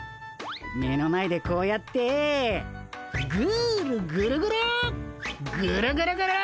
目の前でこうやってぐるぐるぐるぐるぐるぐる。